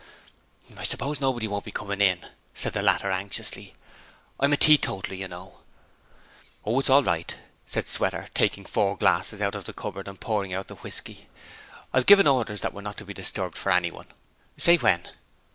'I suppose nobody won't be comin' in?' said the latter, anxiously. 'I'm a teetotaler, you know.' 'Oh, it's all right,' said Sweater, taking four glasses out of the cupboard and pouring out the whisky. 'I've given orders that we're not to be disturbed for anyone. Say when.'